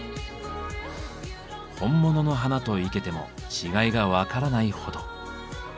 本物の花と生けても違いが分からないほど。